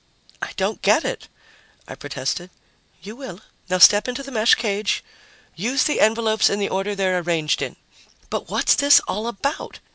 "I don't get it!" I protested. "You will. Now step into the mesh cage. Use the envelopes in the order they're arranged in." "But what's this all about?"